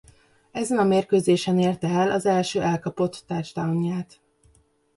Ezen a mérkőzésen érte el az első elkapott touchdownját.